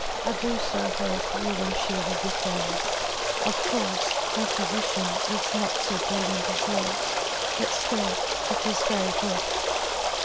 I do so hope you and she will be friends. Of course her position is not so brilliant as yours, but still it is very good.